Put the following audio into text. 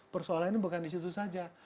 persoalannya bukan disitu saja